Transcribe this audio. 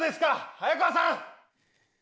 早川さん！